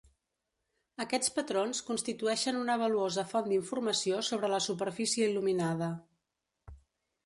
Aquests patrons constitueixen una valuosa font d'informació sobre la superfície il·luminada.